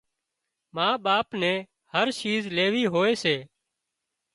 ما ٻاپ نين هر شيز ليوي هوئي سي